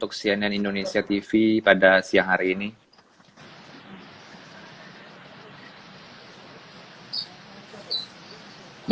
yang pertama adalah bu risma yang sudah memiliki kesan kepercayaan tentang kejahatan dengan kejahatan dan kejahatan yang tersebut